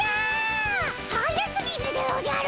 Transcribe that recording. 速すぎるでおじゃる！